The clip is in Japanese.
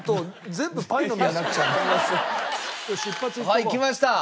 はいきました！